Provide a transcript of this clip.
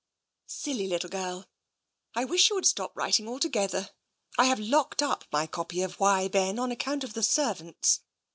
" Silly little girl ! I wish she would stop writing altogether. I have locked up my copy of *Why, Ben !' on account of the servants.